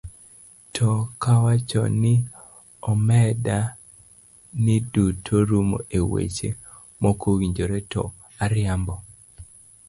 To kawacho ni omeda ni duto rumo e weche makowinjore, to ariambo?